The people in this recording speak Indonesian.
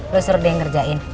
lo serba yang ngerjain